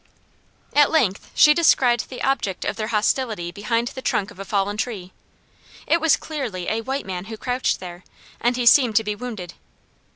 At length she descried the object of their hostility behind the trunk of a fallen tree. It was clearly a white man who crouched there, and he seemed to be wounded.